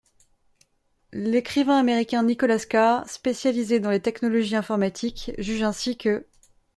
L'écrivain américain Nicholas Carr, spécialisé dans les technologies informatiques, juge ainsi que,